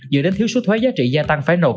dựa đến thiếu số thuế giá trị gia tăng phải nộp